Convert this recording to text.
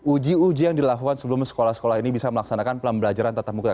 uji uji yang dilakukan sebelum sekolah sekolah ini bisa melaksanakan pelam belajaran tetap mukil